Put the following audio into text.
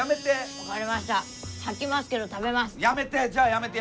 やめて。